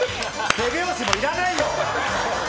手拍子もいらないよ！